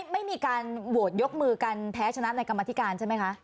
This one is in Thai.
ไม่มีการโหวตยกมือกันแพ้ชนะในกรรมธิการใช่ไหมคะ